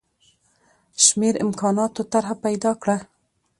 شمېر امکاناتو طرح پیدا کړه.